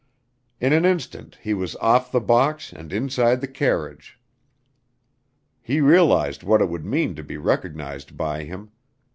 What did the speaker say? In an instant he was off the box and inside the carriage. He realized what it would mean to be recognized by him.